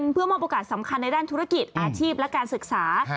เพื่อมอบโอกาสสำคัญในด้านธุรกิจอาชีพและการศึกษา